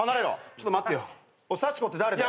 ちょっと待って。